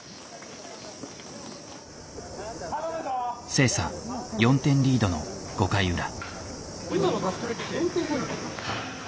星槎４点リードの５回裏。